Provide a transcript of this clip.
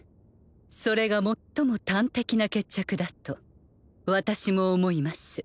それが最も端的な決着だと私も思います